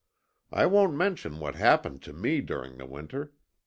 I won't mention what happened to me during the winter.